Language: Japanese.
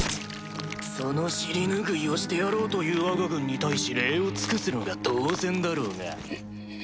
その尻拭いをしてやろうというわが軍に対し礼を尽くすのが当然だろうが。